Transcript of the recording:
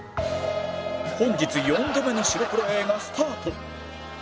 本日４度目の白黒映画スタート